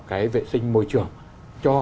cái vệ sinh môi trường cho